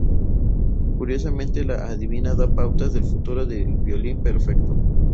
Curiosamente la adivina da pautas del futuro del violín perfecto.